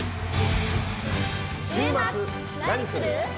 週末何する？